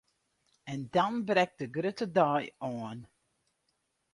En dan brekt de grutte dei oan!